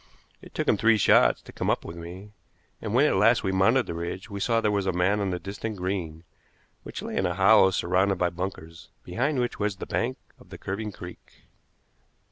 It took him three shots to come up with me, and when at last we mounted the ridge we saw there was a man on the distant green, which lay in a hollow surrounded by bunkers, behind which was the bank of the curving creek.